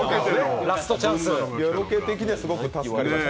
ロケ的にはすごく助かりました。